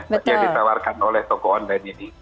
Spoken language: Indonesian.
tapi yang ditawarkan oleh toko online ini